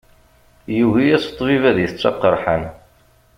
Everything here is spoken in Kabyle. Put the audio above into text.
Yugi-yas ṭṭbib ad itett aqerḥan.